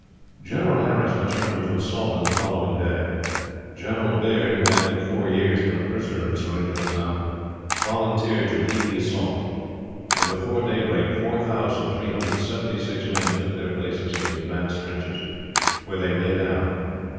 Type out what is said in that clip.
General Harris determined to assault on the following day. General Baird, who had, for four years, been a prisoner in Seringapatam, volunteered to lead the assault; and before daybreak 4,376 men took their places in the advance trenches, where they lay down.